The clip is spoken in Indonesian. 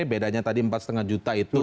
bedanya tadi empat lima juta itu